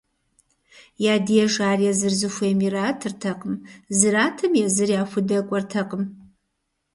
Я деж ар езыр зыхуейм иратыртэкъым, зратым езыр яхудэкӏуэртэкъым.